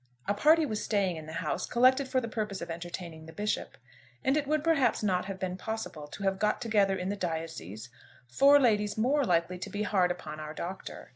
A party was staying in the house, collected for the purpose of entertaining the Bishop; and it would perhaps not have been possible to have got together in the diocese, four ladies more likely to be hard upon our Doctor.